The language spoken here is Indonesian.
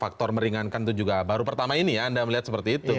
faktor meringankan itu juga baru pertama ini ya anda melihat seperti itu